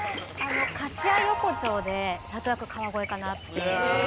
菓子屋横丁でなんとなく川越かなって。